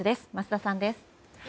桝田さんです。